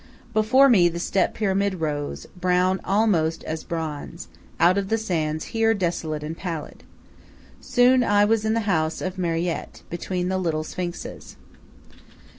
Before me the Step Pyramid rose, brown almost as bronze, out of the sands here desolate and pallid. Soon I was in the house of Marriette, between the little sphinxes.